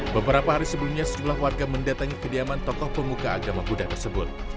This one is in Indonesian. beberapa hari sebelumnya sejumlah warga mendatangi kediaman tokoh pemuka agama buddha tersebut